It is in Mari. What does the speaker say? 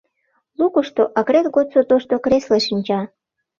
Лукышто акрет годсо тошто кресле шинча.